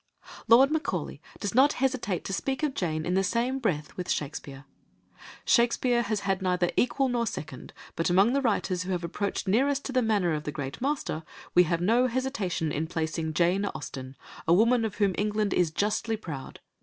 Lord Macaulay does not hesitate to speak of Jane in the same breath with Shakespeare. "Shakespeare has had neither equal nor second, but among the writers who have approached nearest to the manner of the great Master, we have no hesitation in placing Jane Austen, a woman of whom England is justly proud.